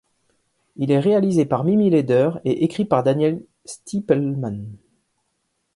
Il est réalisé par Mimi Leder et écrit par Daniel Stiepleman.